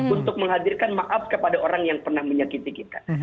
untuk menghadirkan maaf kepada orang yang pernah menyakiti kita